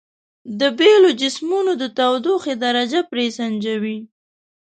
د بیلو جسمونو د تودوخې درجه پرې سنجوو.